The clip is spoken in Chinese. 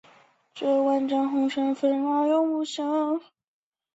该年也增设魁星神像。